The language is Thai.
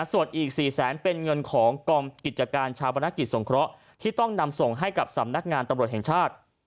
ส่วนอีก๔แสนเป็นเงินของกองกิจการชาปนกิจสงเคราะห์ที่ต้องนำส่งให้กับสำนักงานตำรวจแห่งชาติ